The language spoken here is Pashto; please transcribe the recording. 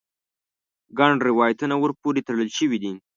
ګڼ روایتونه ور پورې تړل شوي دي.